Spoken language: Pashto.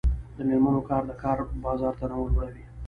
د میرمنو کار د کار بازار تنوع لوړوي.